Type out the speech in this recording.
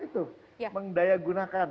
itu mengdaya gunakan